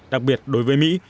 đặc biệt đối với mỹ